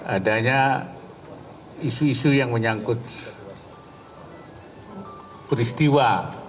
adanya isu isu yang menyangkut peristiwa